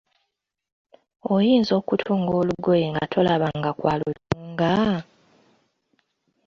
Oyinza okutunga olugoye nga tolabanga ku alutunga?